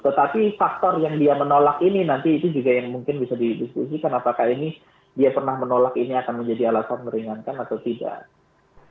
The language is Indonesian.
tetapi faktor yang dia menolak ini nanti itu juga yang mungkin bisa didiskusikan apakah ini dia pernah menolak ini akan menjadi alasan meringankan atau tidak